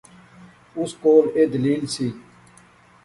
اس کول ایہہ دلیل سی